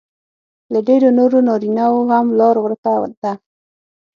له ډېرو نورو نارینهو هم لار ورکه ده